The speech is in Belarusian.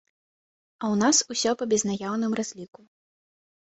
А ў нас усё па безнаяўным разліку.